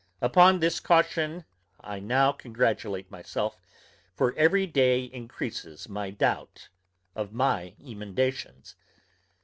Upon this caution I now congratulate myself, for every day encreases my doubt of my emendations.